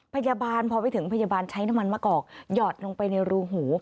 พยาบาลพอไปถึงพยาบาลใช้น้ำมันมะกอกหยอดลงไปในรูหู